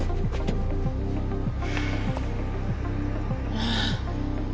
ああ。